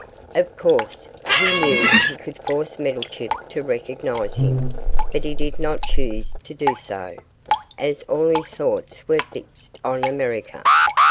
Of course, he knew he could force Meddlechip to recognise him, but he did not choose to do so, as all his thoughts were fixed on America.